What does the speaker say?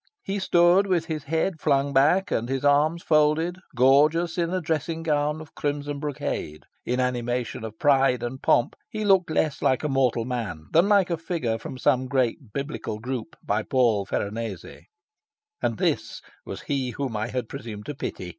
He stood with his head flung back and his arms folded, gorgeous in a dressing gown of crimson brocade. In animation of pride and pomp, he looked less like a mortal man than like a figure from some great biblical group by Paul Veronese. And this was he whom I had presumed to pity!